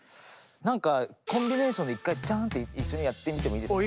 なんかコンビネーションで一回ジャンって一緒にやってみてもいいですか？